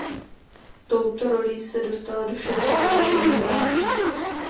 Touto rolí se dostala do širokého povědomí diváků.